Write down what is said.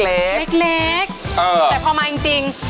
เล็กแต่พอมาจริง